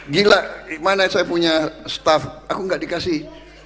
gila mana saya punya staff aku nggak dikasih